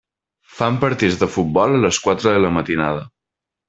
Fan partits de futbol a les quatre de la matinada.